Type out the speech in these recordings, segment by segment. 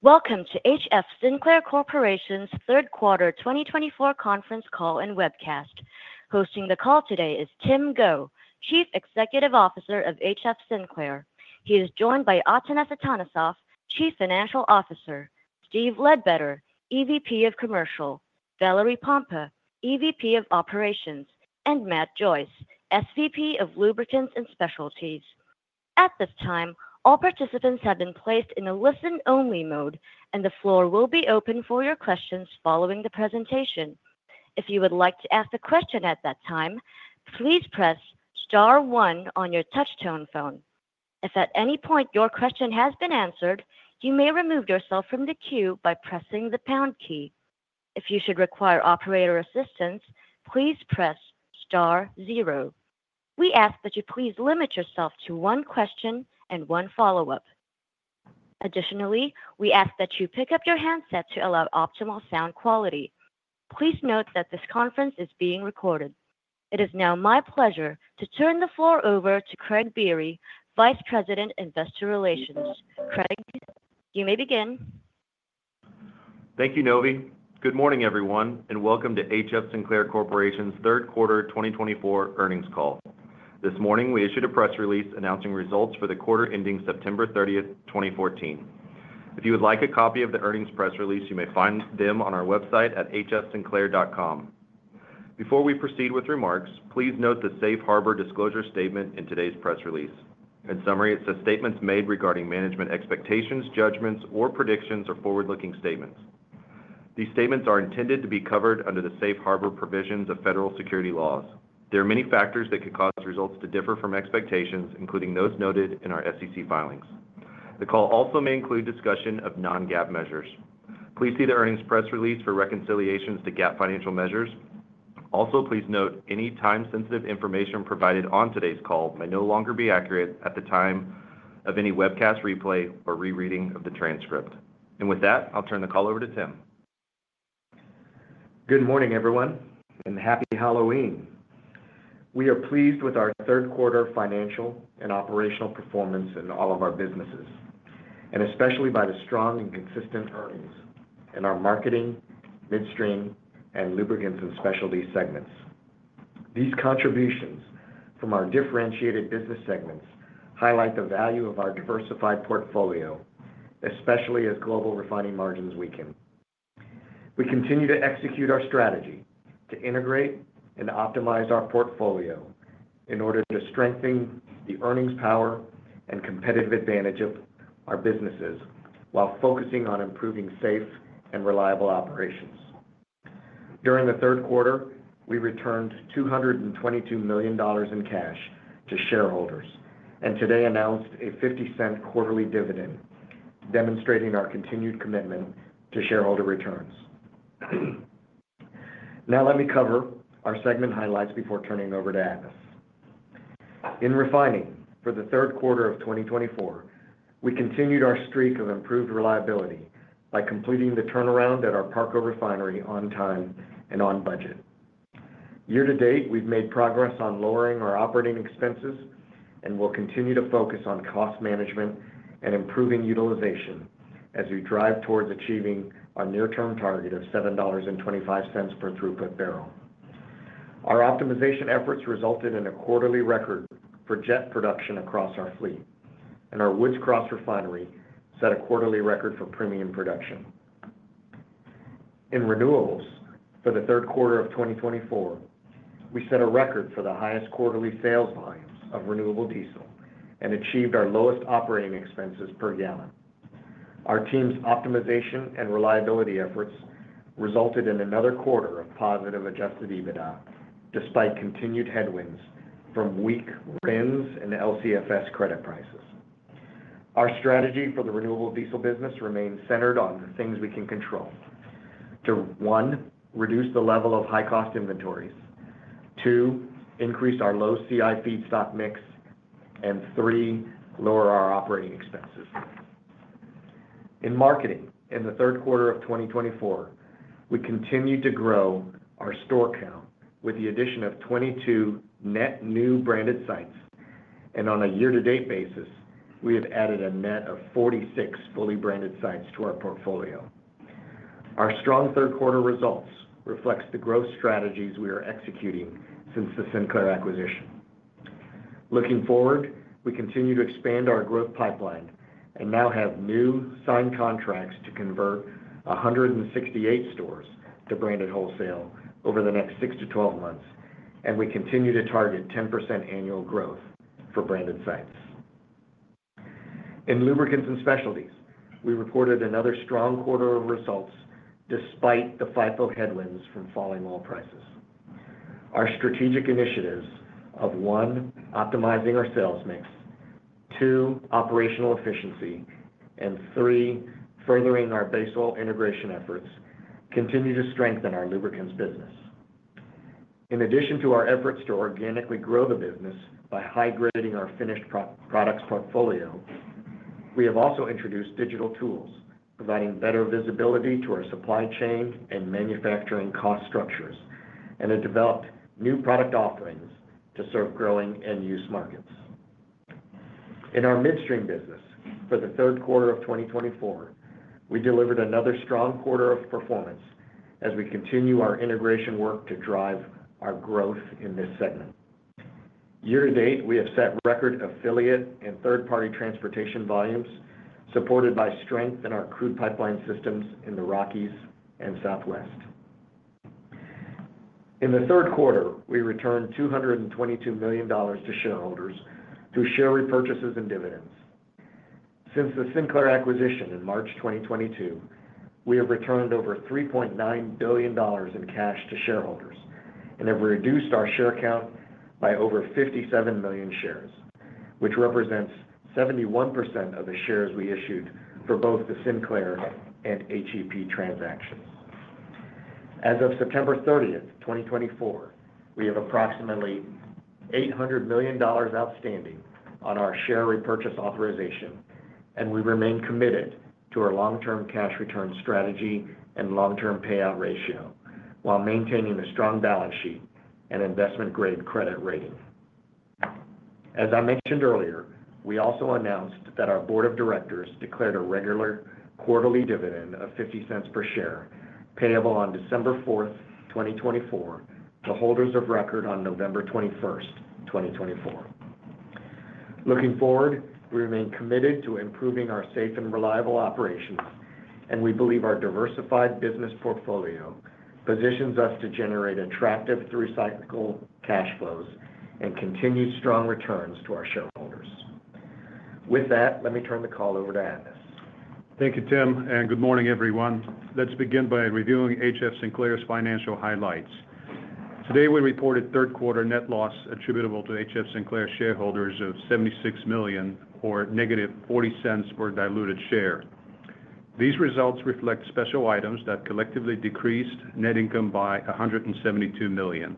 Welcome to HF Sinclair Corporation's third quarter 2024 conference call and webcast. Hosting the call today is Tim Go, Chief Executive Officer of HF Sinclair. He is joined by Atanas Atanasov, Chief Financial Officer, Steve Ledbetter, EVP of Commercial, Valerie Pompa, EVP of Operations, and Matt Joyce, SVP of Lubricants and Specialties. At this time, all participants have been placed in a listen-only mode, and the floor will be open for your questions following the presentation. If you would like to ask a question at that time, please press star one on your touch-tone phone. If at any point your question has been answered, you may remove yourself from the queue by pressing the pound key. If you should require operator assistance, please press star zero. We ask that you please limit yourself to one question and one follow-up. Additionally, we ask that you pick up your handset to allow optimal sound quality. Please note that this conference is being recorded. It is now my pleasure to turn the floor over to Craig Biery, Vice President, Investor Relations. Craig, you may begin. Thank you, Novi. Good morning, everyone, and welcome to HF Sinclair Corporation's third quarter 2024 earnings call. This morning, we issued a press release announcing results for the quarter ending September 30th, 2024. If you would like a copy of the earnings press release, you may find it on our website at hfsinclair.com. Before we proceed with remarks, please note the safe harbor disclosure statement in today's press release. In summary, it says statements made regarding management expectations, judgments, or predictions are forward-looking statements. These statements are intended to be covered under the safe harbor provisions of federal security laws. There are many factors that could cause results to differ from expectations, including those noted in our SEC filings. The call also may include discussion of non-GAAP measures. Please see the earnings press release for reconciliations to GAAP financial measures. Also, please note any time-sensitive information provided on today's call may no longer be accurate at the time of any webcast replay or rereading of the transcript, and with that, I'll turn the call over to Tim. Good morning, everyone, and happy Halloween. We are pleased with our third quarter financial and operational performance in all of our businesses, and especially by the strong and consistent earnings in our Marketing, Midstream, and Lubricants and Specialty segments. These contributions from our differentiated business segments highlight the value of our diversified portfolio, especially as global refining margins weaken. We continue to execute our strategy to integrate and optimize our portfolio in order to strengthen the earnings power and competitive advantage of our businesses while focusing on improving safe and reliable operations. During the third quarter, we returned $222 million in cash to shareholders and today announced a $0.50 quarterly dividend, demonstrating our continued commitment to shareholder returns. Now, let me cover our segment highlights before turning over to Atanas. In refining for the third quarter of 2024, we continued our streak of improved reliability by completing the turnaround at our Parco refinery on time and on budget. Year to date, we've made progress on lowering our operating expenses and will continue to focus on cost management and improving utilization as we drive towards achieving our near-term target of $7.25 per throughput barrel. Our optimization efforts resulted in a quarterly record for jet production across our fleet, and our Woods Cross Refinery set a quarterly record for premium production. In renewables for the third quarter of 2024, we set a record for the highest quarterly sales volumes of renewable diesel and achieved our lowest operating expenses per gallon. Our team's optimization and reliability efforts resulted in another quarter of positive adjusted EBITDA despite continued headwinds from weak RINs and LCFS credit prices. Our strategy for the Renewable Diesel business remains centered on the things we can control: to one, reduce the level of high-cost inventories, two, increase our low CI feedstock mix, and three, lower our operating expenses. In Marketing in the third quarter of 2024, we continued to grow our store count with the addition of 22 net new branded sites, and on a year-to-date basis, we have added a net of 46 fully branded sites to our portfolio. Our strong third-quarter results reflect the growth strategies we are executing since the Sinclair acquisition. Looking forward, we continue to expand our growth pipeline and now have new signed contracts to convert 168 stores to branded wholesale over the next 6 to 12 months, and we continue to target 10% annual growth for branded sites. In Lubricants and Specialties, we reported another strong quarter of results despite the fierce headwinds from falling oil prices. Our strategic initiatives of, one, optimizing our sales mix, two, operational efficiency, and three, furthering our base oil integration efforts continue to strengthen our Lubricants business. In addition to our efforts to organically grow the business by high-grading our finished products portfolio, we have also introduced digital tools providing better visibility to our supply chain and manufacturing cost structures and have developed new product offerings to serve growing end-use markets. In our Midstream business for the third quarter of 2024, we delivered another strong quarter of performance as we continue our integration work to drive our growth in this segment. Year to date, we have set record affiliate and third-party transportation volumes supported by strength in our crude pipeline systems in the Rockies and Southwest. In the third quarter, we returned $222 million to shareholders through share repurchases and dividends. Since the Sinclair acquisition in March 2022, we have returned over $3.9 billion in cash to shareholders and have reduced our share count by over 57 million shares, which represents 71% of the shares we issued for both the Sinclair and HEP transactions. As of September 30th, 2024, we have approximately $800 million outstanding on our share repurchase authorization, and we remain committed to our long-term cash return strategy and long-term payout ratio while maintaining a strong balance sheet and investment-grade credit rating. As I mentioned earlier, we also announced that our board of directors declared a regular quarterly dividend of $0.50 per share payable on December 4th, 2024, to holders of record on November 21st, 2024. Looking forward, we remain committed to improving our safe and reliable operations, and we believe our diversified business portfolio positions us to generate attractive through cycle cash flows and continued strong returns to our shareholders. With that, let me turn the call over to Atanas. Thank you, Tim, and good morning, everyone. Let's begin by reviewing HF Sinclair's financial highlights. Today, we reported third-quarter net loss attributable to HF Sinclair shareholders of $76 million or -$0.40 per diluted share. These results reflect special items that collectively decreased net income by $172 million.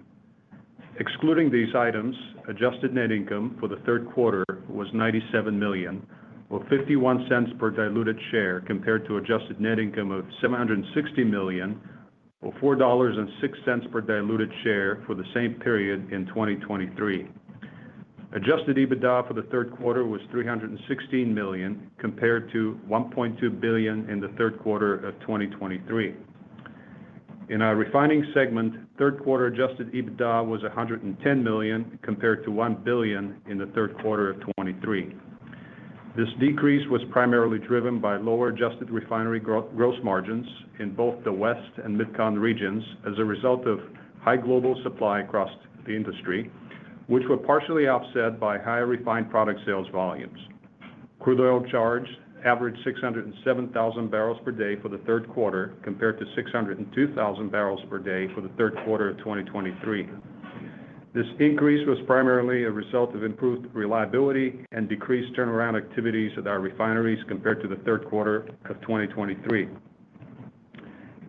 Excluding these items, adjusted net income for the third quarter was $97 million or $0.51 per diluted share compared to adjusted net income of $760 million or $4.06 per diluted share for the same period in 2023. Adjusted EBITDA for the third quarter was $316 million compared to $1.2 billion in the third quarter of 2023. In our refining segment, third-quarter adjusted EBITDA was $110 million compared to $1 billion in the third quarter of 2023. This decrease was primarily driven by lower adjusted refinery gross margins in both the West and Mid-Continent regions as a result of high global supply across the industry, which were partially offset by high refined product sales volumes. Crude oil charge averaged 607,000 barrels per day for the third quarter compared to 602,000 barrels per day for the third quarter of 2023. This increase was primarily a result of improved reliability and decreased turnaround activities at our refineries compared to the third quarter of 2023.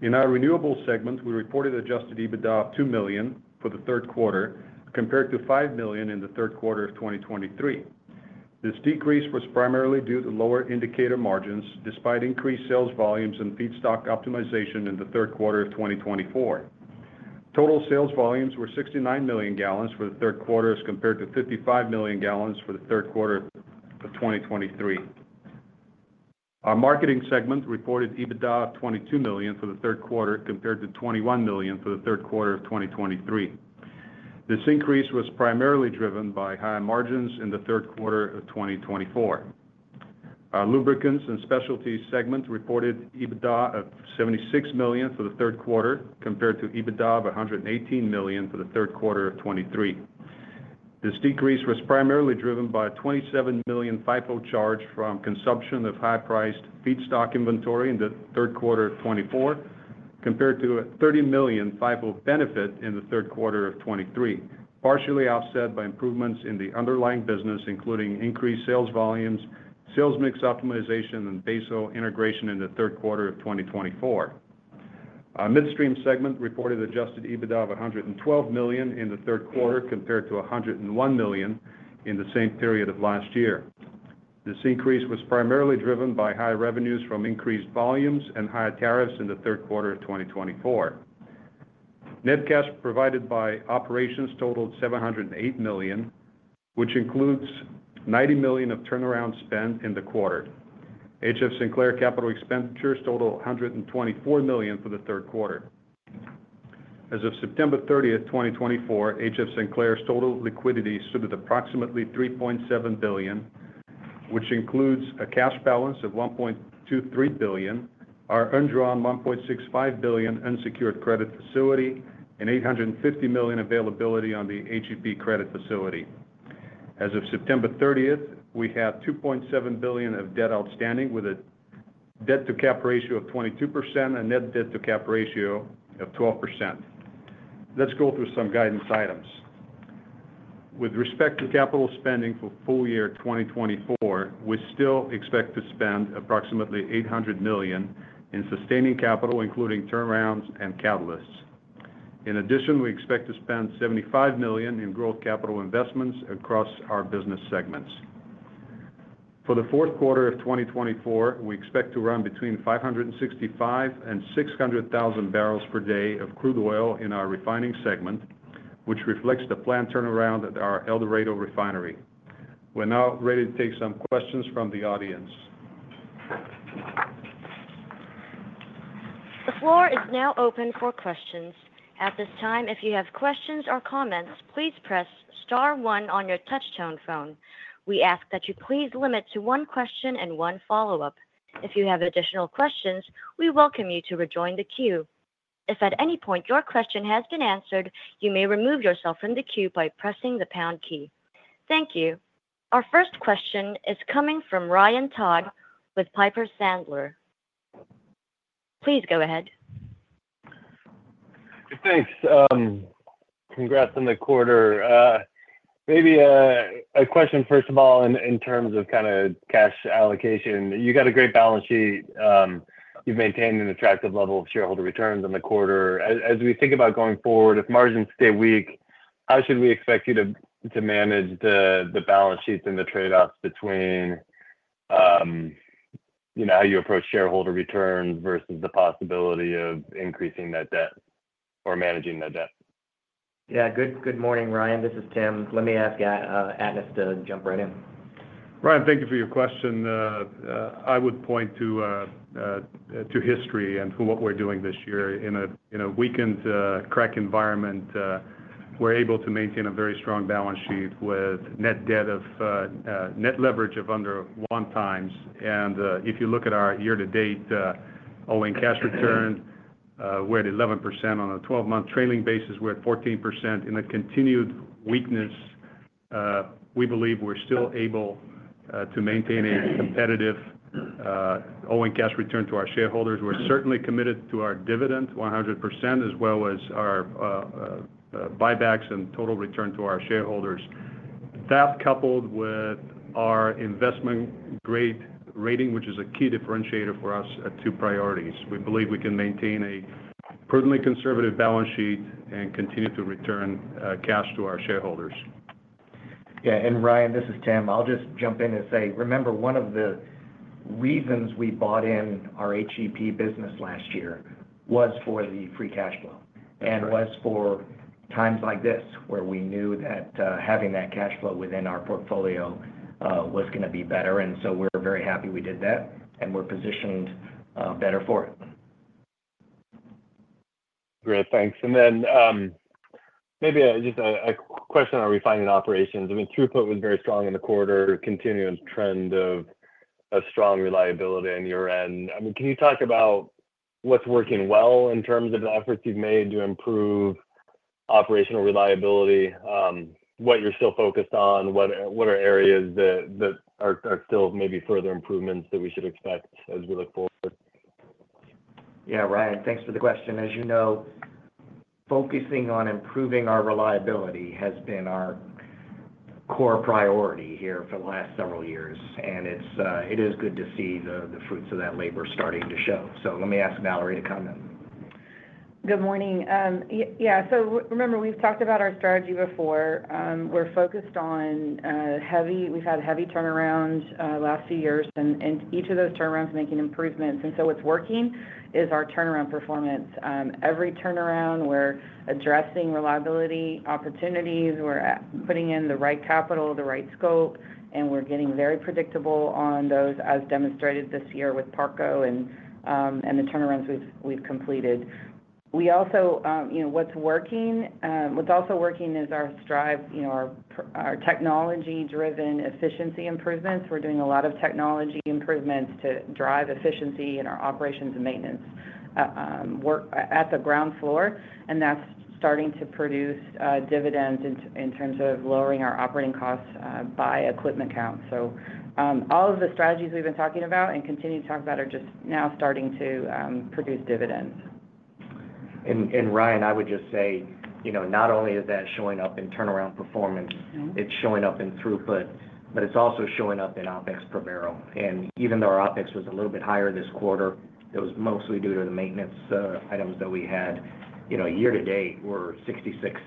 In our Renewables Segment, we reported Adjusted EBITDA of $2 million for the third quarter compared to $5 million in the third quarter of 2023. This decrease was primarily due to lower indicator margins despite increased sales volumes and feedstock optimization in the third quarter of 2024. Total sales volumes were 69 million gallons for the third quarter as compared to 55 million gallons for the third quarter of 2023. Our Marketing segment reported EBITDA of 22 million for the third quarter compared to 21 million for the third quarter of 2023. This increase was primarily driven by high margins in the third quarter of 2024. Our Lubricants and Specialties segment reported EBITDA of 76 million for the third quarter compared to EBITDA of 118 million for the third quarter of 2023. This decrease was primarily driven by 27 million FIFO charge from consumption of high-priced feedstock inventory in the third quarter of 2024 compared to 30 million FIFO benefit in the third quarter of 2023, partially offset by improvements in the underlying business, including increased sales volumes, sales mix optimization, and base oil integration in the third quarter of 2024. Our Midstream segment reported Adjusted EBITDA of $112 million in the third quarter compared to $101 million in the same period of last year. This increase was primarily driven by high revenues from increased volumes and higher tariffs in the third quarter of 2024. Net cash provided by operations totaled $708 million, which includes $90 million of turnaround spend in the quarter. HF Sinclair capital expenditures totaled $124 million for the third quarter. As of September 30th, 2024, HF Sinclair's total liquidity stood at approximately $3.7 billion, which includes a cash balance of $1.23 billion, our undrawn $1.65 billion unsecured credit facility, and $850 million availability on the HEP credit facility. As of September 30th, we had $2.7 billion of debt outstanding with a debt-to-cap ratio of 22% and net debt-to-cap ratio of 12%. Let's go through some guidance items. With respect to capital spending for full year 2024, we still expect to spend approximately $800 million in sustaining capital, including turnarounds and catalysts. In addition, we expect to spend $75 million in growth capital investments across our business segments. For the fourth quarter of 2024, we expect to run between 565,000 and 600,000 barrels per day of crude oil in our refining segment, which reflects the planned turnaround at our El Dorado refinery. We're now ready to take some questions from the audience. The floor is now open for questions. At this time, if you have questions or comments, please press star one on your touch-tone phone. We ask that you please limit to one question and one follow-up. If you have additional questions, we welcome you to rejoin the queue. If at any point your question has been answered, you may remove yourself from the queue by pressing the pound key. Thank you. Our first question is coming from Ryan Todd with Piper Sandler. Please go ahead. Thanks. Congrats on the quarter. Maybe a question, first of all, in terms of kind of cash allocation. You've got a great balance sheet. You've maintained an attractive level of shareholder returns in the quarter. As we think about going forward, if margins stay weak, how should we expect you to manage the balance sheets and the trade-offs between how you approach shareholder returns versus the possibility of increasing that debt or managing that debt? Yeah. Good morning, Ryan. This is Tim. Let me ask Atanas to jump right in. Ryan, thank you for your question. I would point to history and to what we're doing this year. In a weakened crack environment, we're able to maintain a very strong balance sheet with net debt and net leverage of under one times, and if you look at our year-to-date operating cash return, we're at 11% on a 12-month trailing basis. We're at 14%. In the continued weakness, we believe we're still able to maintain a competitive operating cash return to our shareholders. We're certainly committed to our dividend, 100%, as well as our buybacks and total return to our shareholders. That coupled with our investment-grade rating, which is a key differentiator for us at two priorities, we believe we can maintain a prudently conservative balance sheet and continue to return cash to our shareholders. Yeah. And Ryan, this is Tim. I'll just jump in and say, remember, one of the reasons we bought in our HEP business last year was for the free cash flow and was for times like this where we knew that having that cash flow within our portfolio was going to be better. And so we're very happy we did that, and we're positioned better for it. Great. Thanks. And then maybe just a question on refining operations. I mean, throughput was very strong in the quarter, continuing trend of strong reliability on your end. I mean, can you talk about what's working well in terms of the efforts you've made to improve operational reliability, what you're still focused on? What are areas that are still maybe further improvements that we should expect as we look forward? Yeah, Ryan, thanks for the question. As you know, focusing on improving our reliability has been our core priority here for the last several years, and it is good to see the fruits of that labor starting to show. So let me ask Valerie to come in. Good morning. Yeah. So remember, we've talked about our strategy before. We're focused on heavy. We've had heavy turnarounds the last few years, and each of those turnarounds making improvements. And so what's working is our turnaround performance. Every turnaround, we're addressing reliability opportunities. We're putting in the right capital, the right scope, and we're getting very predictable on those, as demonstrated this year with Parco and the turnarounds we've completed. What's working is our Strive, our technology-driven efficiency improvements. We're doing a lot of technology improvements to drive efficiency in our operations and maintenance work at the ground floor, and that's starting to produce dividends in terms of lowering our operating costs by equipment count. So all of the strategies we've been talking about and continue to talk about are just now starting to produce dividends. Ryan, I would just say, not only is that showing up in turnaround performance, it's showing up in throughput, but it's also showing up in OpEx per barrel. And even though our OpEx was a little bit higher this quarter, it was mostly due to the maintenance items that we had. Year-to-date, we're $0.66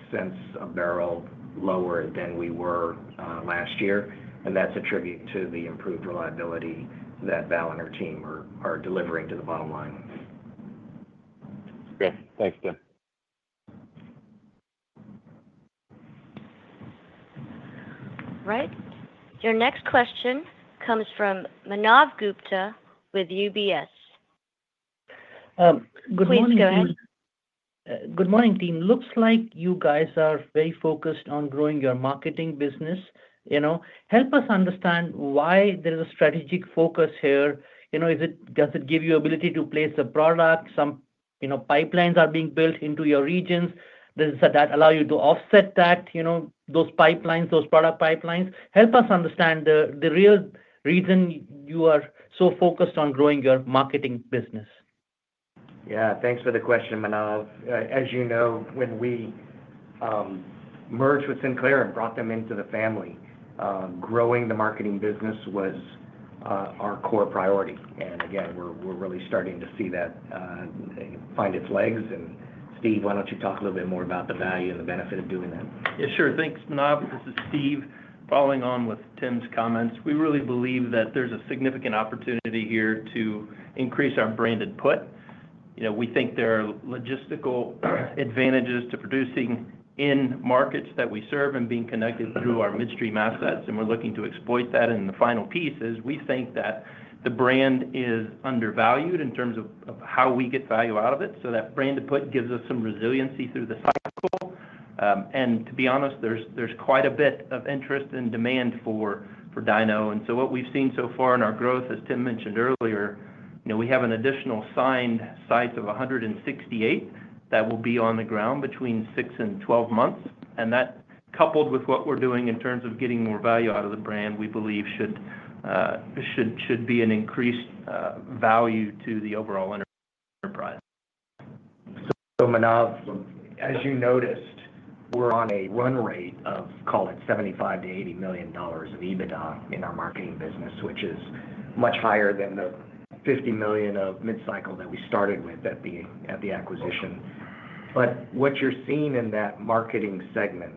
per barrel lower than we were last year, and that's a tribute to the improved reliability that Val and her team are delivering to the bottom line. Great. Thanks, Tim. All right. Your next question comes from Manav Gupta with UBS. Good morning. Please go ahead. Good morning, team. Looks like you guys are very focused on growing your Marketing business. Help us understand why there's a strategic focus here. Does it give you ability to place a product? Some pipelines are being built into your regions. Does that allow you to offset those product pipelines? Help us understand the real reason you are so focused on growing your Marketing business. Yeah. Thanks for the question, Manav. As you know, when we merged with Sinclair and brought them into the family, growing the Marketing business was our core priority. And again, we're really starting to see that find its legs. And Steve, why don't you talk a little bit more about the value and the benefit of doing that? Yeah, sure. Thanks, Manav. This is Steve, following on with Tim's comments. We really believe that there's a significant opportunity here to increase our branded put. We think there are logistical advantages to producing in markets that we serve and being connected through our Midstream assets, and we're looking to exploit that, and the final piece is we think that the brand is undervalued in terms of how we get value out of it, so that branded put gives us some resiliency through the cycle, and to be honest, there's quite a bit of interest and demand for Dino, and so what we've seen so far in our growth, as Tim mentioned earlier, we have an additional signed site of 168 that will be on the ground between six and 12 months. That, coupled with what we're doing in terms of getting more value out of the brand, we believe should be an increased value to the overall enterprise. So Manav, as you noticed, we're on a run rate of, call it, $75 million-$80 million of EBITDA in our Marketing business, which is much higher than the $50 million of mid-cycle that we started with at the acquisition. But what you're seeing in that Marketing segment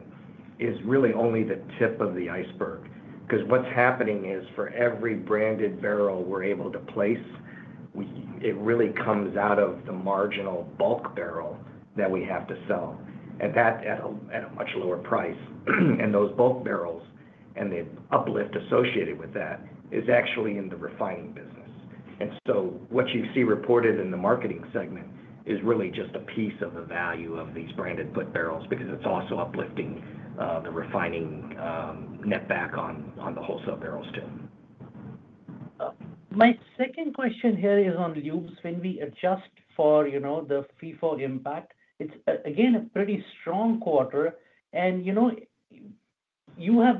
is really only the tip of the iceberg because what's happening is for every branded barrel we're able to place, it really comes out of the marginal bulk barrel that we have to sell at a much lower price. And those bulk barrels and the uplift associated with that is actually in the refining business. And so what you see reported in the Marketing segment is really just a piece of the value of these branded put barrels because it's also uplifting the refining netback on the wholesale barrels, too. My second question here is on lubes. When we adjust for the FIFO impact, it's, again, a pretty strong quarter. And you have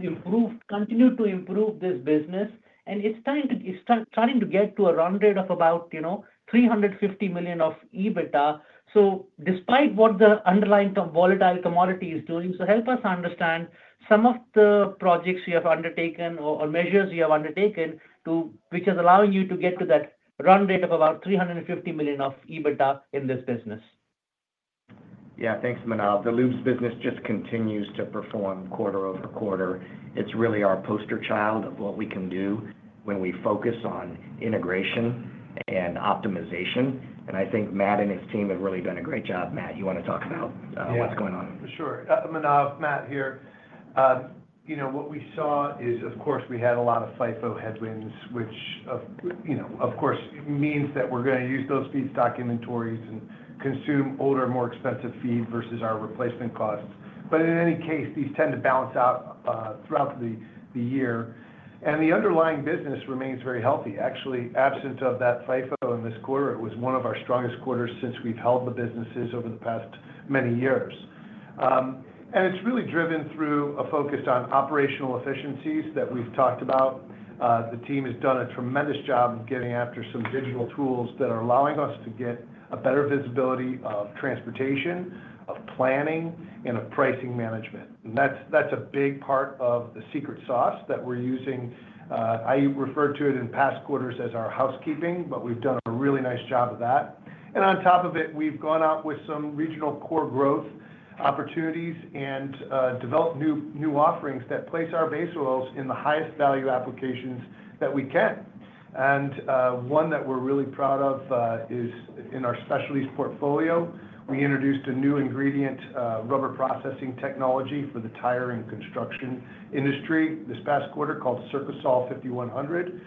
continued to improve this business, and it's starting to get to a run rate of about $350 million of EBITDA. So despite what the underlying volatile commodity is doing, so help us understand some of the projects you have undertaken or measures you have undertaken, which is allowing you to get to that run rate of about $350 million of EBITDA in this business? Yeah. Thanks, Manav. The lubes business just continues to perform quarter over quarter. It's really our poster child of what we can do when we focus on integration and optimization, and I think Matt and his team have really done a great job. Matt, you want to talk about what's going on? Yeah. For sure. Manav, Matt here. What we saw is, of course, we had a lot of FIFO headwinds, which, of course, means that we're going to use those feedstock inventories and consume older, more expensive feed versus our replacement costs. But in any case, these tend to balance out throughout the year, and the underlying business remains very healthy. Actually, absent of that FIFO in this quarter, it was one of our strongest quarters since we've held the businesses over the past many years, and it's really driven through a focus on operational efficiencies that we've talked about. The team has done a tremendous job of getting after some digital tools that are allowing us to get a better visibility of transportation, of planning, and of pricing management, and that's a big part of the secret sauce that we're using. I referred to it in past quarters as our housekeeping, but we've done a really nice job of that. And on top of it, we've gone out with some regional core growth opportunities and developed new offerings that place our base oils in the highest value applications that we can. And one that we're really proud of is in our specialties portfolio, we introduced a new ingredient, rubber processing technology for the tire and construction industry this past quarter called Circosol 5100.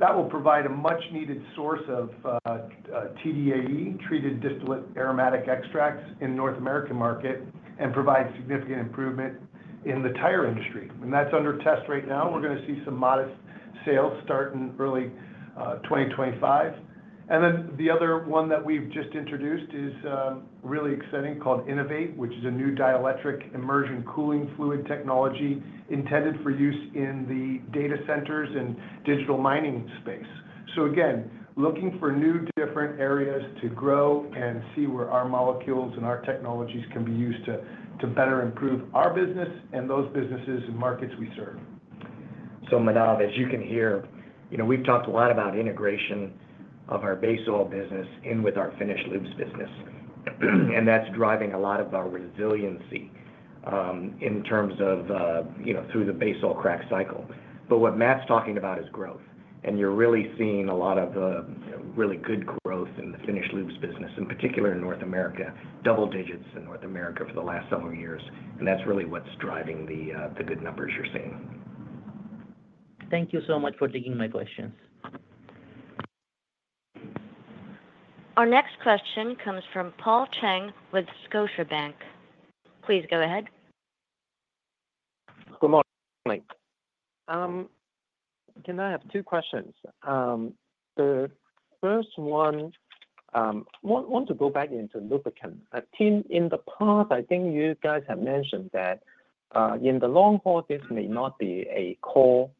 That will provide a much-needed source of TDAE, Treated Distillate Aromatic Extracts in the North American market, and provide significant improvement in the tire industry. And that's under test right now. We're going to see some modest sales start in early 2025. And then the other one that we've just introduced is really exciting called Innovate, which is a new dielectric immersion cooling fluid technology intended for use in the data centers and digital mining space. So again, looking for new different areas to grow and see where our molecules and our technologies can be used to better improve our business and those businesses and markets we serve. So Manav, as you can hear, we've talked a lot about integration of our base oil business in with our finished lubes business. And that's driving a lot of our resiliency in terms of through the base oil crack cycle. But what Matt's talking about is growth. And you're really seeing a lot of really good growth in the finished lubes business, in particular in North America, double digits in North America for the last several years. And that's really what's driving the good numbers you're seeing. Thank you so much for taking my questions. Our next question comes from Paul Cheng with Scotiabank. Please go ahead. Good morning. Can I have two questions? The first one, I want to go back into Lubricant. In the past, I think you guys have mentioned that in the long haul, this may not be a core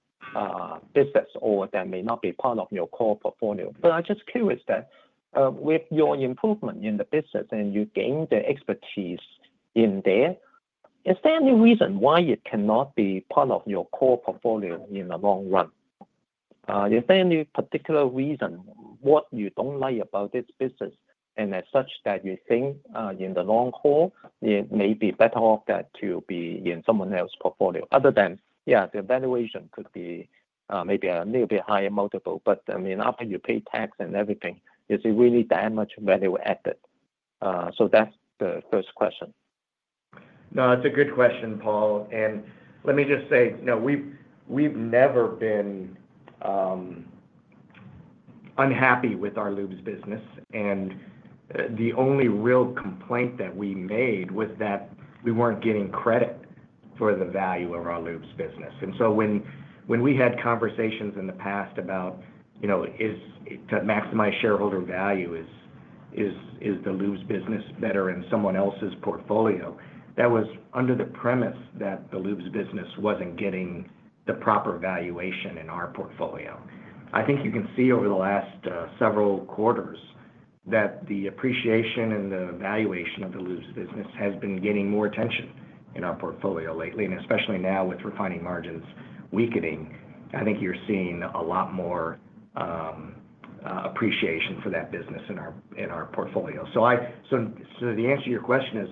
business or that may not be part of your core portfolio. But I'm just curious that with your improvement in the business and you gained the expertise in there, is there any reason why it cannot be part of your core portfolio in the long run? Is there any particular reason what you don't like about this business and as such that you think in the long haul, it may be better off that to be in someone else's portfolio? Other than, yeah, the valuation could be maybe a little bit higher multiple, but I mean, after you pay tax and everything, is it really that much value added? That's the first question. No, it's a good question, Paul. And let me just say, no, we've never been unhappy with our lubes business. And the only real complaint that we made was that we weren't getting credit for the value of our lubes business. And so when we had conversations in the past about to maximize shareholder value, is the lubes business better in someone else's portfolio? That was under the premise that the lubes business wasn't getting the proper valuation in our portfolio. I think you can see over the last several quarters that the appreciation and the valuation of the lubes business has been getting more attention in our portfolio lately. And especially now with refining margins weakening, I think you're seeing a lot more appreciation for that business in our portfolio. So the answer to your question is,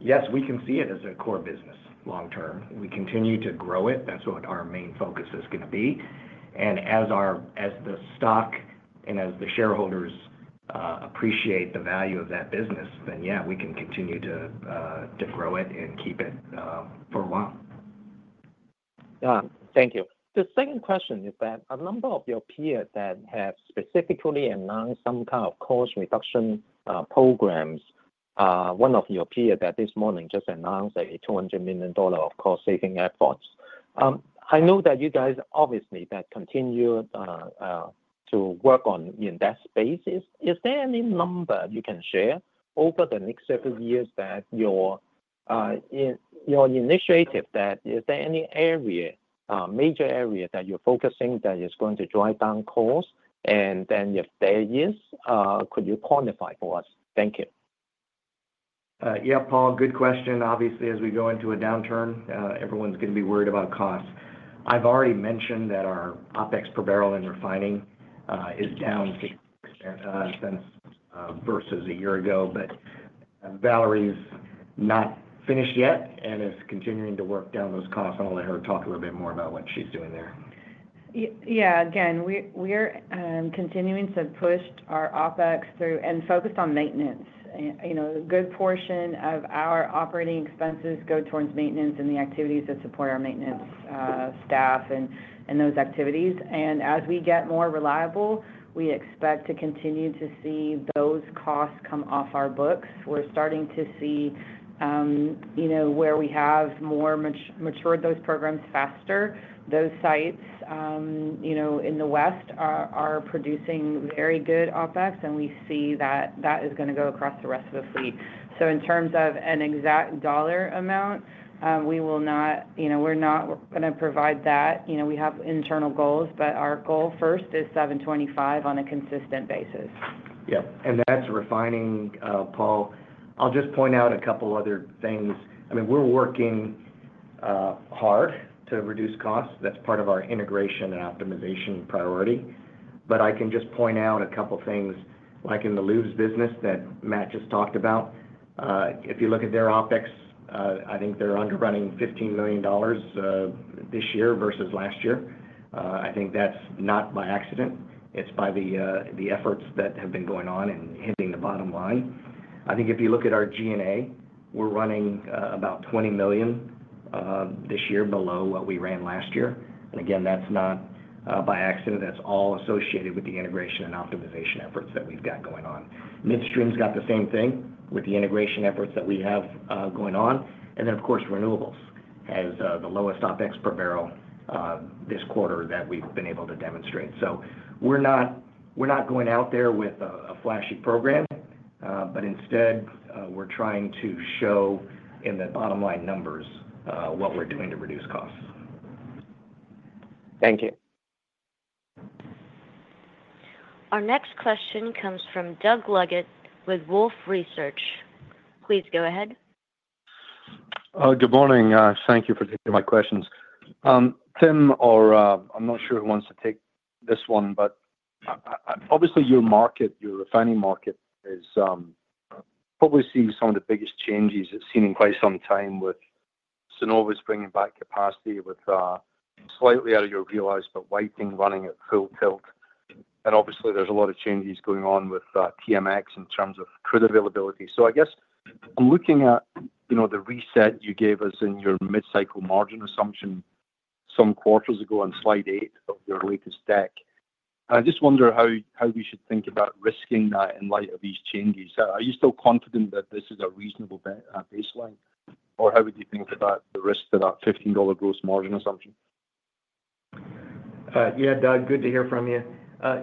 yes, we can see it as a core business long term. We continue to grow it. That's what our main focus is going to be, and as the stock and as the shareholders appreciate the value of that business, then yeah, we can continue to grow it and keep it for a while. Yeah. Thank you. The second question is that a number of your peers that have specifically announced some kind of cost reduction programs, one of your peers that this morning just announced a $200 million of cost-saving efforts. I know that you guys obviously continue to work on in that space. Is there any number you can share over the next several years that your initiative that is there any major area that you're focusing that is going to drive down costs? And then if there is, could you quantify for us? Thank you. Yeah, Paul, good question. Obviously, as we go into a downturn, everyone's going to be worried about costs. I've already mentioned that our OpEx per barrel in refining is down $6 versus a year ago, but Valerie's not finished yet and is continuing to work down those costs. I'll let her talk a little bit more about what she's doing there. Yeah. Again, we're continuing to push our OpEx through and focus on maintenance. A good portion of our operating expenses go towards maintenance and the activities that support our maintenance staff and those activities. And as we get more reliable, we expect to continue to see those costs come off our books. We're starting to see where we have matured those programs faster. Those sites in the West are producing very good OpEx, and we see that is going to go across the rest of the fleet. So in terms of an exact dollar amount, we're not going to provide that. We have internal goals, but our goal first is 725 on a consistent basis. Yep. And that's refining, Paul. I'll just point out a couple other things. I mean, we're working hard to reduce costs. That's part of our integration and optimization priority. But I can just point out a couple of things like in the lubes business that Matt just talked about. If you look at their OpEx, I think they're underrunning $15 million this year versus last year. I think that's not by accident. It's by the efforts that have been going on and hitting the bottom line. I think if you look at our G&A, we're running about $20 million this year below what we ran last year. And again, that's not by accident. That's all associated with the integration and optimization efforts that we've got going on. Midstream's got the same thing with the integration efforts that we have going on. And then, of course, renewables has the lowest OpEx per barrel this quarter that we've been able to demonstrate. So we're not going out there with a flashy program, but instead, we're trying to show in the bottom line numbers what we're doing to reduce costs. Thank you. Our next question comes from Doug Leggate with Wolfe Research. Please go ahead. Good morning. Thank you for taking my questions. Tim, I'm not sure who wants to take this one, but obviously, your market, your refining market is probably seeing some of the biggest changes it's seen in quite some time with Cenovus bringing back capacity, which is slightly out of your wheelhouse, but Whiting running at full tilt. And obviously, there's a lot of changes going on with TMX in terms of crude availability. So I guess I'm looking at the reset you gave us in your mid-cycle margin assumption some quarters ago on slide eight of your latest deck. And I just wonder how we should think about risking that in light of these changes. Are you still confident that this is a reasonable baseline, or how would you think about the risk to that $15 gross margin assumption? Yeah, Doug, good to hear from you.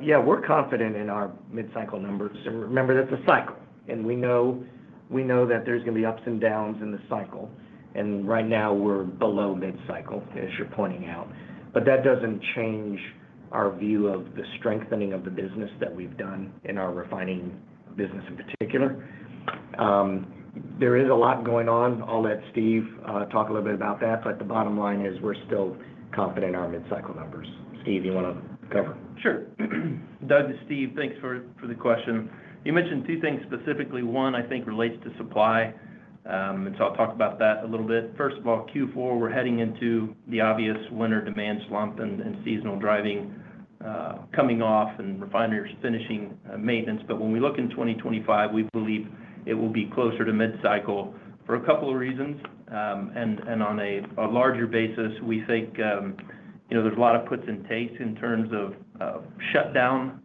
Yeah, we're confident in our mid-cycle numbers. And remember, that's a cycle. And we know that there's going to be ups and downs in the cycle. And right now, we're below mid-cycle, as you're pointing out. But that doesn't change our view of the strengthening of the business that we've done in our refining business in particular. There is a lot going on. I'll let Steve talk a little bit about that. But the bottom line is we're still confident in our mid-cycle numbers. Steve, you want to cover? Sure. Doug, to Steve, thanks for the question. You mentioned two things specifically. One, I think, relates to supply, and so I'll talk about that a little bit. First of all, Q4, we're heading into the obvious winter demand slump and seasonal driving coming off and refiners finishing maintenance, but when we look in 2025, we believe it will be closer to mid-cycle for a couple of reasons, and on a larger basis, we think there's a lot of puts and takes in terms of shutdown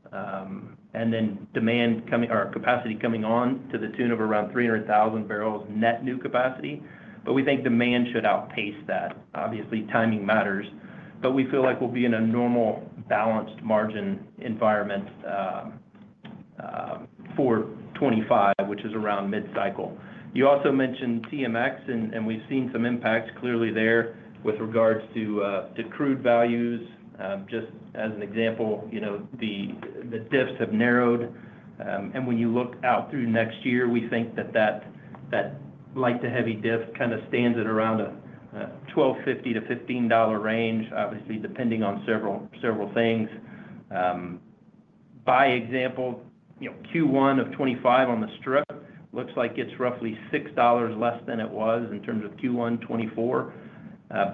and then demand or capacity coming on to the tune of around 300,000 barrels net new capacity, but we think demand should outpace that. Obviously, timing matters, but we feel like we'll be in a normal balanced margin environment for 2025, which is around mid-cycle. You also mentioned TMX, and we've seen some impacts clearly there with regards to the crude values. Just as an example, the diffs have narrowed. And when you look out through next year, we think that that light to heavy diff kind of stands at around a $12.50-$15 range, obviously depending on several things. By example, Q1 of 2025 on the strip looks like it's roughly $6 less than it was in terms of Q1 2024.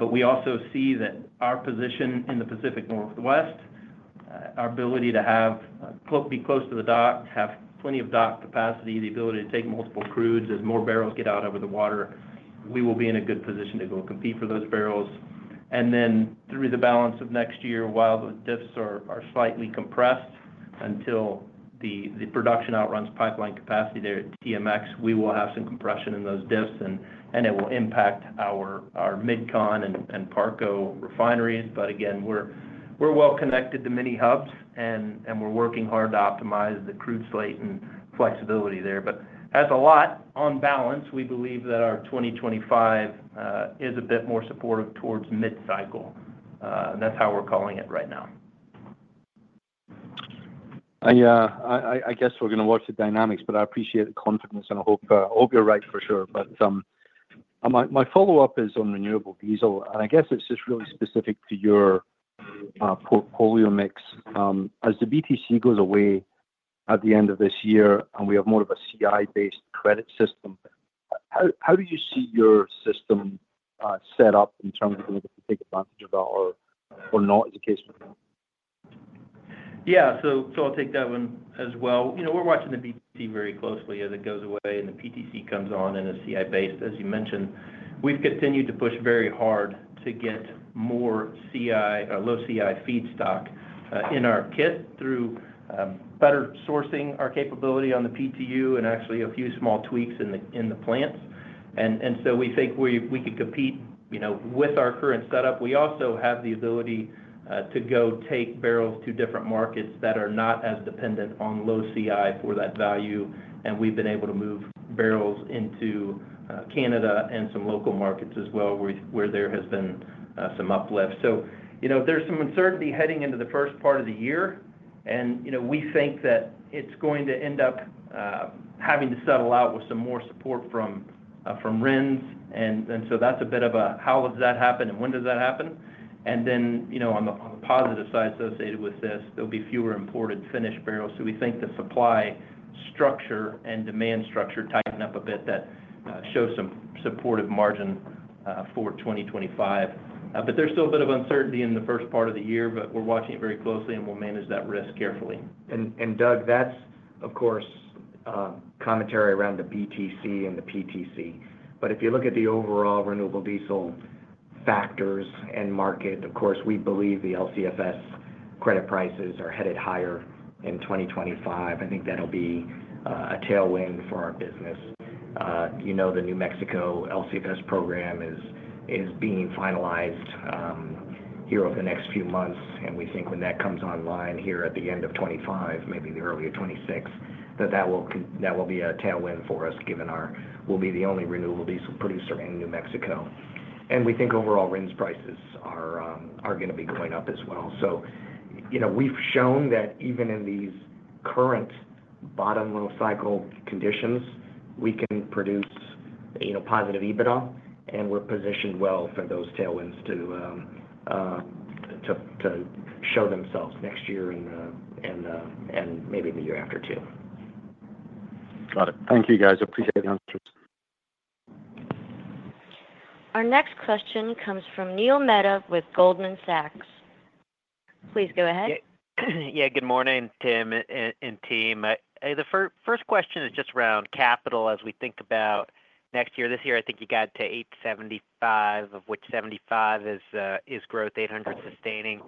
But we also see that our position in the Pacific Northwest, our ability to be close to the dock, have plenty of dock capacity, the ability to take multiple crudes as more barrels get out over the water, we will be in a good position to go compete for those barrels. Then through the balance of next year, while the diffs are slightly compressed until the production outruns pipeline capacity there at TMX, we will have some compression in those diffs, and it will impact our Midcon and Parco refineries. Again, we're well connected to many hubs, and we're working hard to optimize the crude slate and flexibility there. All in all on balance, we believe that our 2025 is a bit more supportive towards mid-cycle. That's how we're calling it right now. I guess we're going to watch the dynamics, but I appreciate the confidence, and I hope you're right for sure. But my follow-up is on renewable diesel. And I guess it's just really specific to your portfolio mix. As the BTC goes away at the end of this year and we have more of a CI-based credit system, how do you see your system set up in terms of being able to take advantage of that or not as a case? Yeah. So I'll take that one as well. We're watching the BTC very closely as it goes away and the PTC comes on and is CI-based. As you mentioned, we've continued to push very hard to get more CI or low CI feedstock in our kit through better sourcing our capability on the PTU and actually a few small tweaks in the plants. And so we think we could compete with our current setup. We also have the ability to go take barrels to different markets that are not as dependent on low CI for that value. And we've been able to move barrels into Canada and some local markets as well where there has been some uplift. So there's some uncertainty heading into the first part of the year. And we think that it's going to end up having to settle out with some more support from RINS. And so that's a bit of a how does that happen and when does that happen? And then on the positive side associated with this, there'll be fewer imported finished barrels. So we think the supply structure and demand structure tighten up a bit that shows some supportive margin for 2025. But there's still a bit of uncertainty in the first part of the year, but we're watching it very closely and we'll manage that risk carefully. And Doug, that's, of course, commentary around the BTC and the PTC. But if you look at the overall renewable diesel factors and market, of course, we believe the LCFS credit prices are headed higher in 2025. I think that'll be a tailwind for our business. You know the New Mexico LCFS program is being finalized here over the next few months. And we think when that comes online here at the end of 2025, maybe the early of 2026, that that will be a tailwind for us given we'll be the only renewable diesel producer in New Mexico. And we think overall RINs prices are going to be going up as well. So we've shown that even in these current bottom low cycle conditions, we can produce positive EBITDA, and we're positioned well for those tailwinds to show themselves next year and maybe the year after too. Got it. Thank you, guys. Appreciate the answers. Our next question comes from Neil Mehta with Goldman Sachs. Please go ahead. Yeah. Good morning, Tim and team. The first question is just around capital as we think about next year. This year, I think you got to $875, of which $75 is growth, $800 sustaining.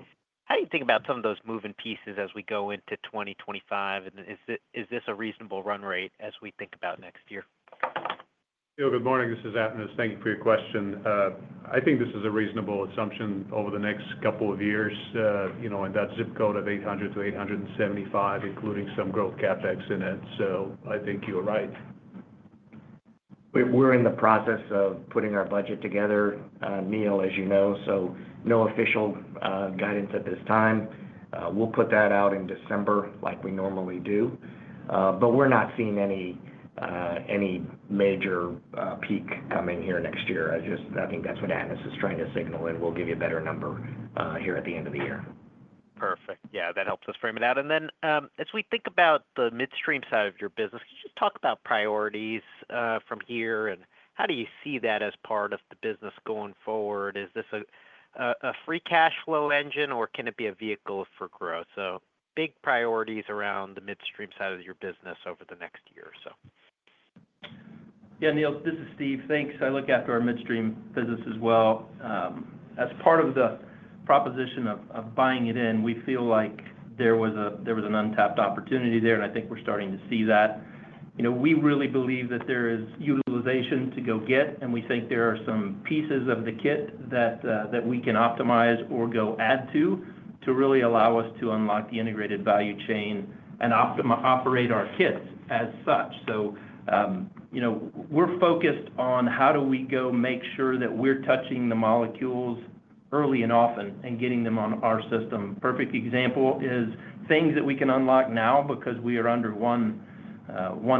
How do you think about some of those moving pieces as we go into 2025? And is this a reasonable run rate as we think about next year? Neil, good morning. This is Atanas. Thank you for your question. I think this is a reasonable assumption over the next couple of years and that zip code of 800-875, including some growth CapEx in it. So I think you're right. We're in the process of putting our budget together, Neil, as you know. So no official guidance at this time. We'll put that out in December like we normally do. But we're not seeing any major peak coming here next year. I think that's what Atanas is trying to signal, and we'll give you a better number here at the end of the year. Perfect. Yeah. That helps us frame it out. And then as we think about the Midstream side of your business, could you just talk about priorities from here and how do you see that as part of the business going forward? Is this a free cash flow engine, or can it be a vehicle for growth? So big priorities around the Midstream side of your business over the next year or so. Yeah, Neil, this is Steve. Thanks. I look after our Midstream business as well. As part of the proposition of buying it in, we feel like there was an untapped opportunity there, and I think we're starting to see that. We really believe that there is utilization to go get, and we think there are some pieces of the kit that we can optimize or go add to to really allow us to unlock the integrated value chain and operate our kits as such. So we're focused on how do we go make sure that we're touching the molecules early and often and getting them on our system. Perfect example is things that we can unlock now because we are under one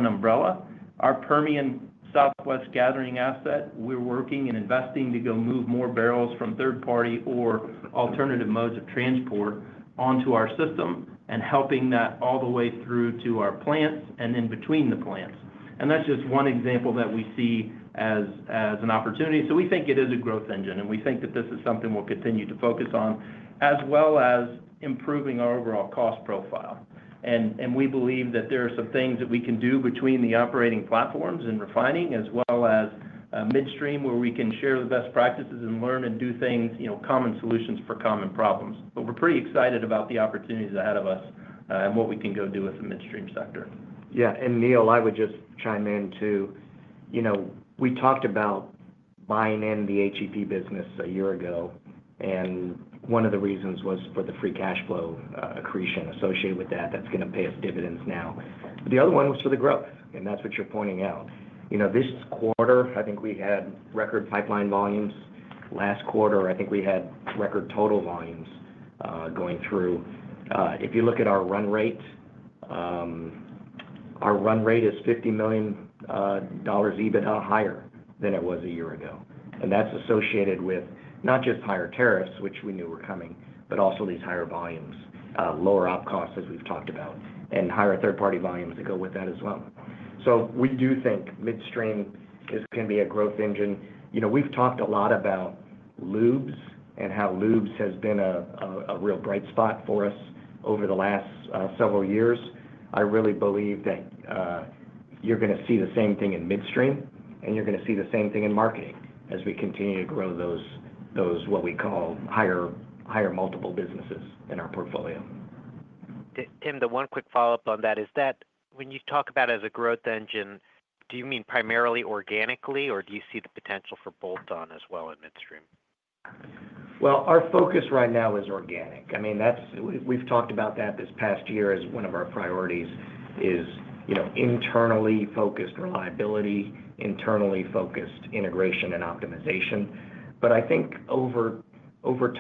umbrella. Our Permian Southwest gathering asset, we're working and investing to go move more barrels from third-party or alternative modes of transport onto our system and helping that all the way through to our plants and in between the plants. And that's just one example that we see as an opportunity. So we think it is a growth engine, and we think that this is something we'll continue to focus on as well as improving our overall cost profile. And we believe that there are some things that we can do between the operating platforms and refining as well as Midstream where we can share the best practices and learn and do things, common solutions for common problems. But we're pretty excited about the opportunities ahead of us and what we can go do with the Midstream sector. Yeah. And Neil, I would just chime in too. We talked about buying in the HEP business a year ago, and one of the reasons was for the free cash flow accretion associated with that. That's going to pay us dividends now. The other one was for the growth, and that's what you're pointing out. This quarter, I think we had record pipeline volumes. Last quarter, I think we had record total volumes going through. If you look at our run rate, our run rate is $50 million EBITDA higher than it was a year ago. And that's associated with not just higher tariffs, which we knew were coming, but also these higher volumes, lower op costs as we've talked about, and higher third-party volumes that go with that as well. So we do think Midstream can be a growth engine. We've talked a lot about LUBs and how LUBs has been a real bright spot for us over the last several years. I really believe that you're going to see the same thing in Midstream, and you're going to see the same thing in Marketing as we continue to grow those what we call higher multiple businesses in our portfolio. Tim, the one quick follow-up on that is that when you talk about it as a growth engine, do you mean primarily organically, or do you see the potential for bolt-on as well in Midstream? Our focus right now is organic. I mean, we've talked about that this past year as one of our priorities is internally focused reliability, internally focused integration, and optimization. But I think over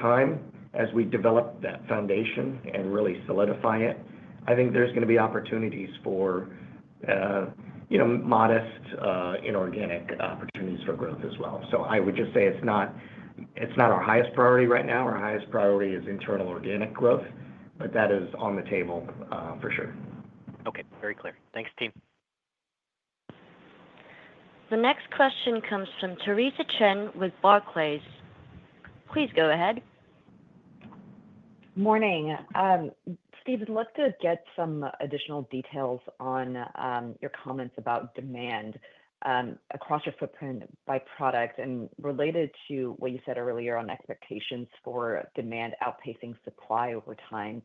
time, as we develop that foundation and really solidify it, I think there's going to be opportunities for modest inorganic growth as well. I would just say it's not our highest priority right now. Our highest priority is internal organic growth, but that is on the table for sure. Okay. Very clear. Thanks, team. The next question comes from Theresa Chen with Barclays. Please go ahead. Morning. Steve, I'd love to get some additional details on your comments about demand across your footprint by product and related to what you said earlier on expectations for demand outpacing supply over time.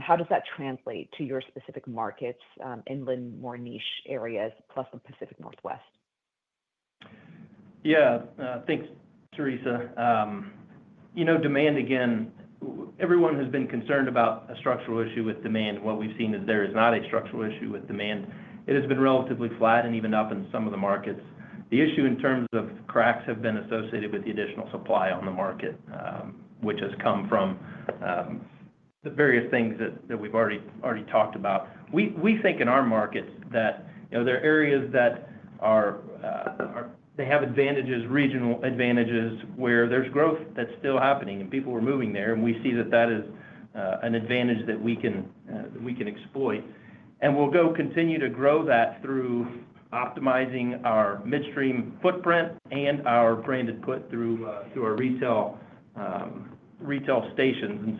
How does that translate to your specific markets, inland more niche areas, plus the Pacific Northwest? Yeah. Thanks, Theresa. Demand, again, everyone has been concerned about a structural issue with demand. What we've seen is there is not a structural issue with demand. It has been relatively flat and even up in some of the markets. The issue in terms of cracks has been associated with the additional supply on the market, which has come from the various things that we've already talked about. We think in our markets that there are areas that have regional advantages where there's growth that's still happening and people are moving there. And we see that that is an advantage that we can exploit. And we'll go continue to grow that through optimizing our Midstream footprint and our branded put through our retail stations.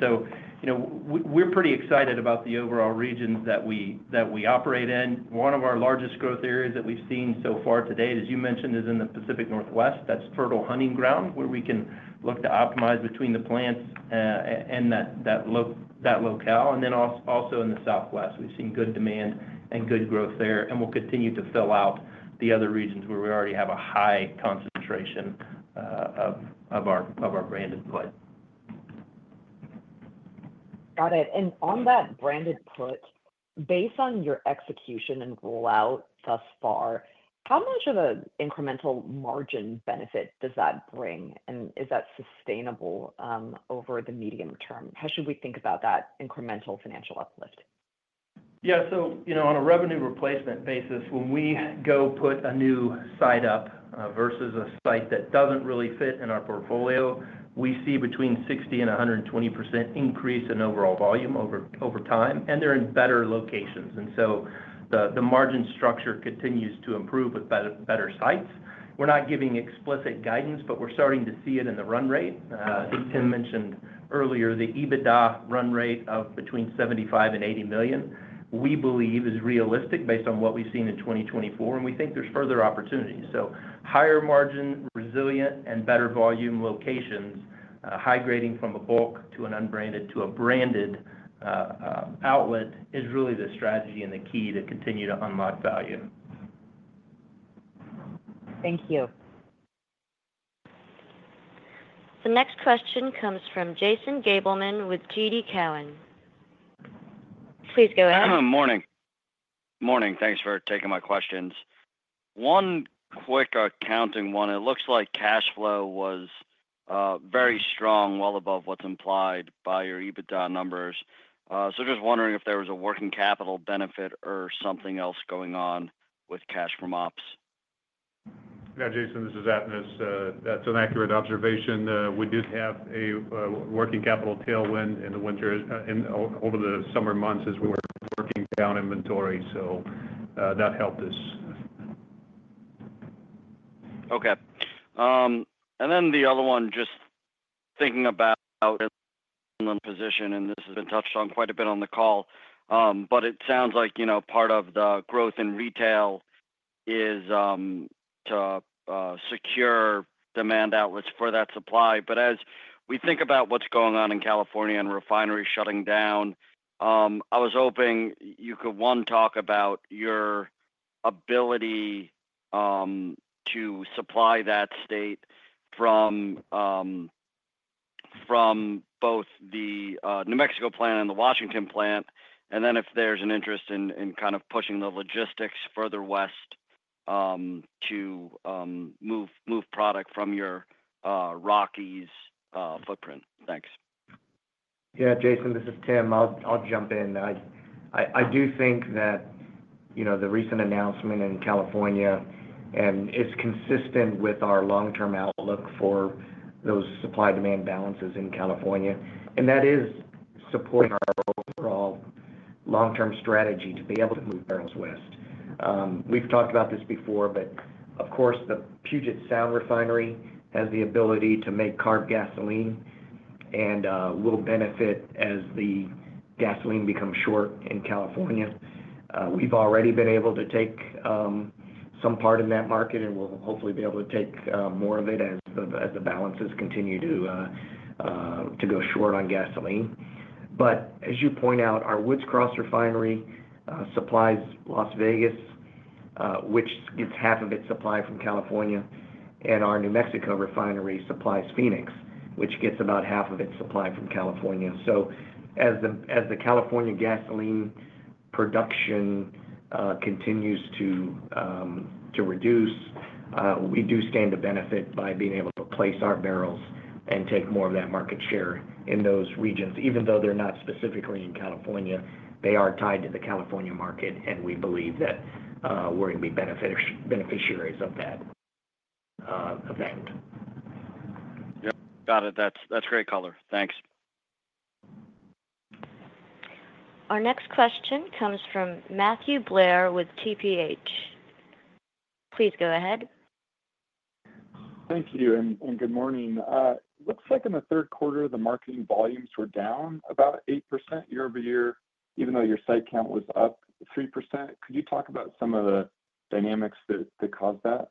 And so we're pretty excited about the overall regions that we operate in. One of our largest growth areas that we've seen so far to date, as you mentioned, is in the Pacific Northwest. That's fertile hunting ground where we can look to optimize between the plants and that locale, and then also in the Southwest, we've seen good demand and good growth there, and we'll continue to fill out the other regions where we already have a high concentration of our branded put. Got it. And on that branded put, based on your execution and rollout thus far, how much of an incremental margin benefit does that bring? And is that sustainable over the medium term? How should we think about that incremental financial uplift? Yeah. So on a revenue replacement basis, when we go put a new site up versus a site that doesn't really fit in our portfolio, we see between 60% and 120% increase in overall volume over time. And they're in better locations. And so the margin structure continues to improve with better sites. We're not giving explicit guidance, but we're starting to see it in the run rate. I think Tim mentioned earlier the EBITDA run rate of between $75 and 80 million, we believe, is realistic based on what we've seen in 2024. And we think there's further opportunity. So higher margin, resilient, and better volume locations, high grading from a bulk to an unbranded to a branded outlet is really the strategy and the key to continue to unlock value. Thank you. The next question comes from Jason Gabelman with TD Cowen. Please go ahead. Morning. Morning. Thanks for taking my questions. One quick accounting one. It looks like cash flow was very strong, well above what's implied by your EBITDA numbers. So just wondering if there was a working capital benefit or something else going on with cash from ops. Yeah, Jason, this is Atanas. That's an accurate observation. We did have a working capital tailwind in the winter and over the summer months as we were working down inventory. So that helped us. Okay. And then the other one, just thinking about the position, and this has been touched on quite a bit on the call, but it sounds like part of the growth in retail is to secure demand outlets for that supply. But as we think about what's going on in California and refinery shutting down, I was hoping you could, one, talk about your ability to supply that state from both the New Mexico plant and the Washington plant. And then if there's an interest in kind of pushing the logistics further west to move product from your Rockies footprint? Thanks. Yeah, Jason, this is Tim. I'll jump in. I do think that the recent announcement in California is consistent with our long-term outlook for those supply-demand balances in California, and that is supporting our overall long-term strategy to be able to move barrels west. We've talked about this before, but of course, the Puget Sound Refinery has the ability to make CARB gasoline and will benefit as the gasoline becomes short in California. We've already been able to take some part in that market, and we'll hopefully be able to take more of it as the balances continue to go short on gasoline. But as you point out, our Woods Cross Refinery supplies Las Vegas, which gets half of its supply from California, and our New Mexico refinery supplies Phoenix, which gets about half of its supply from California. So as the California gasoline production continues to reduce, we do stand to benefit by being able to place our barrels and take more of that market share in those regions. Even though they're not specifically in California, they are tied to the California market, and we believe that we're going to be beneficiaries of that event. Yep. Got it. That's great color. Thanks. Our next question comes from Matthew Blair with TPH. Please go ahead. Thank you. And good morning. It looks like in the third quarter, the Marketing volumes were down about 8% year over year, even though your site count was up 3%. Could you talk about some of the dynamics that caused that?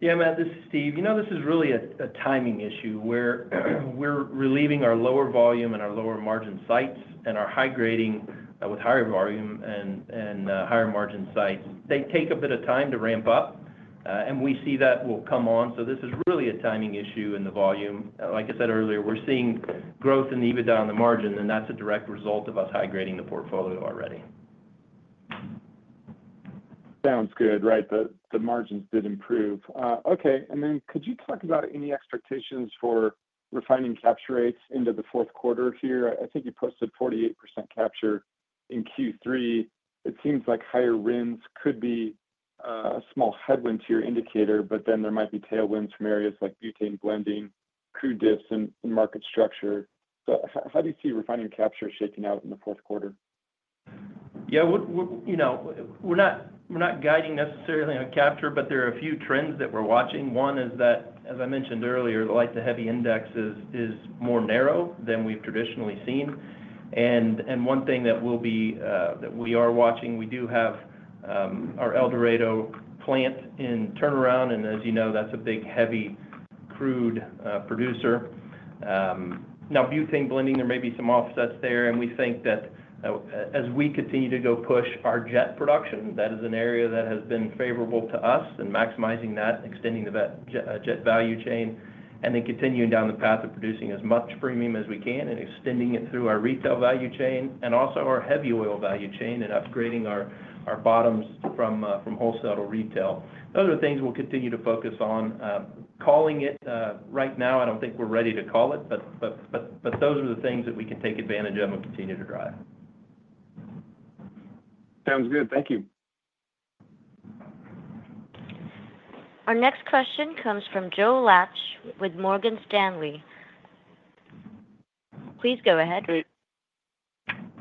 Yeah, Matt, this is Steve. This is really a timing issue where we're relieving our lower volume and our lower margin sites and our high grading with higher volume and higher margin sites. They take a bit of time to ramp up, and we see that will come on. So this is really a timing issue in the volume. Like I said earlier, we're seeing growth in the EBITDA on the margin, and that's a direct result of us high grading the portfolio already. Sounds good. Right. The margins did improve. Okay, and then could you talk about any expectations for refining capture rates into the fourth quarter here? I think you posted 48% capture in Q3. It seems like higher RINs could be a small headwind to your indicator, but then there might be tailwinds from areas like butane blending, crude diffs in market structure, but how do you see refining capture shaking out in the fourth quarter? Yeah. We're not guiding necessarily on capture, but there are a few trends that we're watching. One is that, as I mentioned earlier, the light-to-heavy index is more narrow than we've traditionally seen. And one thing that we are watching, we do have our El Dorado plant in turnaround. And as you know, that's a big heavy crude producer. Now, butane blending, there may be some offsets there. And we think that as we continue to go push our jet production, that is an area that has been favorable to us and maximizing that, extending the jet value chain, and then continuing down the path of producing as much premium as we can and extending it through our retail value chain and also our heavy oil value chain and upgrading our bottoms from wholesale to retail. Those are things we'll continue to focus on. Calling it right now, I don't think we're ready to call it, but those are the things that we can take advantage of and continue to drive. Sounds good. Thank you. Our next question comes from Joe Laetsch with Morgan Stanley. Please go ahead.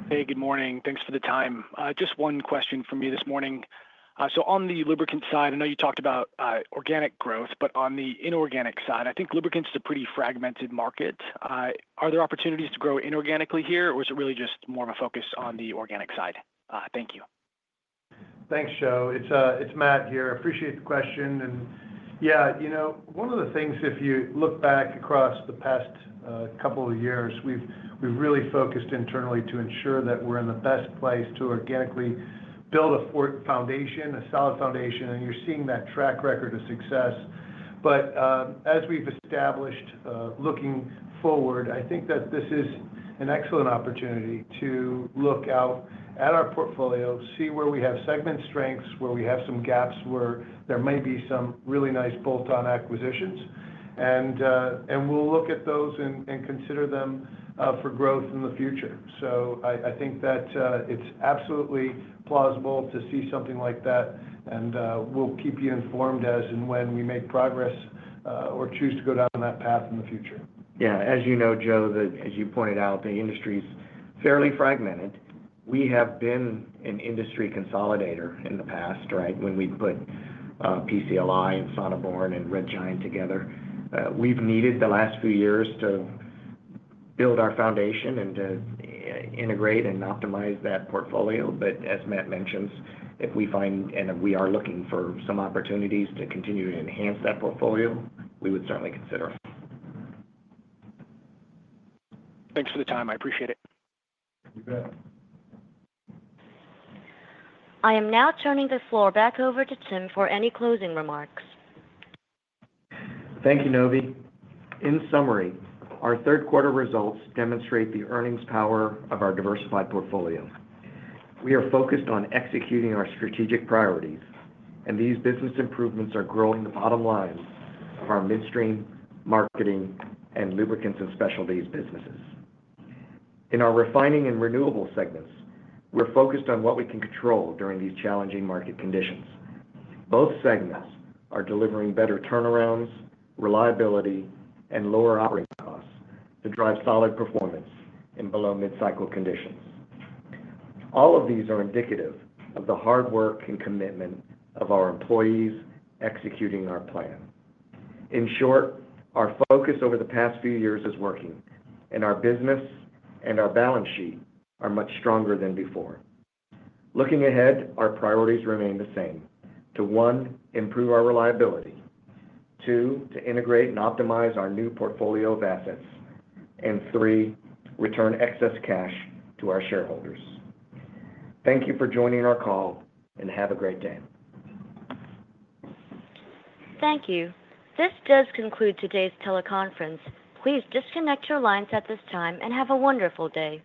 Hey. Hey, good morning. Thanks for the time. Just one question for me this morning. So on the Lubricant side, I know you talked about organic growth, but on the inorganic side, I think Lubricants is a pretty fragmented market. Are there opportunities to grow inorganically here, or is it really just more of a focus on the organic side? Thank you. Thanks, Joe. It's Matt here. Appreciate the question, and yeah, one of the things, if you look back across the past couple of years, we've really focused internally to ensure that we're in the best place to organically build a solid foundation, and you're seeing that track record of success, but as we've established, looking forward, I think that this is an excellent opportunity to look out at our portfolio, see where we have segment strengths, where we have some gaps, where there may be some really nice bolt-on acquisitions, and we'll look at those and consider them for growth in the future, so I think that it's absolutely plausible to see something like that, and we'll keep you informed as and when we make progress or choose to go down that path in the future. Yeah. As you know, Joe, as you pointed out, the industry is fairly fragmented. We have been an industry consolidator in the past, right, when we put PCLI and Sonneborn and Red Giant together. We've needed the last few years to build our foundation and to integrate and optimize that portfolio. But as Matt mentioned, if we find and we are looking for some opportunities to continue to enhance that portfolio, we would certainly consider. Thanks for the time. I appreciate it. You bet. I am now turning the floor back over to Tim for any closing remarks. Thank you, Novi. In summary, our third-quarter results demonstrate the earnings power of our diversified portfolio. We are focused on executing our strategic priorities, and these business improvements are growing the bottom line of our Midstream, Marketing and Lubricants and Specialties businesses. In our refining and renewable segments, we're focused on what we can control during these challenging market conditions. Both segments are delivering better turnarounds, reliability, and lower operating costs to drive solid performance in below-mid-cycle conditions. All of these are indicative of the hard work and commitment of our employees executing our plan. In short, our focus over the past few years is working, and our business and our balance sheet are much stronger than before. Looking ahead, our priorities remain the same: to, one, improve our reliability. Two, to integrate and optimize our new portfolio of assets. And three, return excess cash to our shareholders. Thank you for joining our call, and have a great day. Thank you. This does conclude today's teleconference. Please disconnect your lines at this time and have a wonderful day.